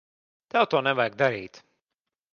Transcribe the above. Tev to nevajag darīt.